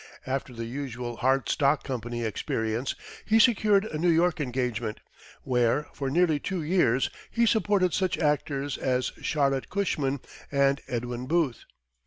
After the usual hard stock company experience, he secured a New York engagement, where, for nearly two years, he supported such actors as Charlotte Cushman and Edwin Booth.